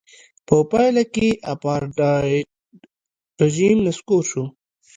په پایله کې اپارټایډ رژیم نسکور شو.